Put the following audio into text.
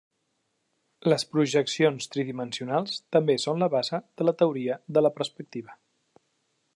Les projeccions tridimensionals també són la base de la teoria de la perspectiva.